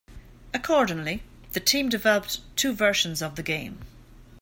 Accordingly, the team developed two versions of the game.